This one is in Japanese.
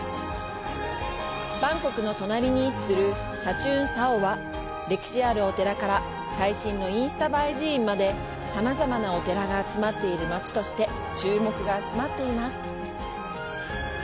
バンコクの隣に位置するチャチューンサオは、歴史あるお寺から最新のインスタ映え寺院まで、さまざまなお寺が集まっている街として注目が集まっています。